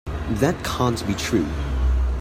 That can't be true.